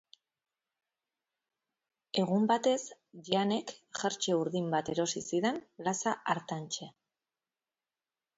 Egun batez Jeanek jertse urdin bat erosi zidan plaza hartantxe.